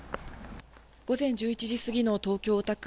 午前１１時過ぎの東京・大田区。